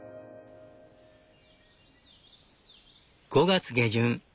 ５月下旬。